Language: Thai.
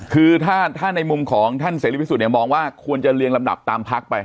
คือถ้าในมุมของท่านเสรีพิสุทธิเนี่ยมองว่าควรจะเรียงลำดับตามพักไป